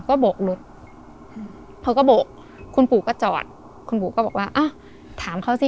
ก็โบกรถเธอก็โบกคุณปู่ก็จอดคุณปู่ก็บอกว่าอ่ะถามเขาสิ